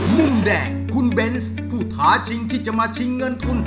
มุมแดงคุณเบนส์ผู้ท้าชิงที่จะมาชิงเงินทุน